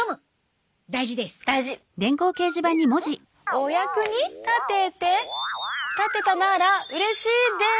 お役に立てて立てたならうれしいです。